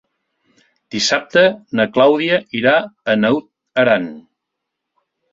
Dissabte na Clàudia irà a Naut Aran.